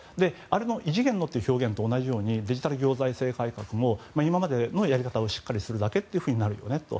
異次元のという表現と同じようにデジタル行財政改革も今までのやり方をしっかりするだけとなるよねと。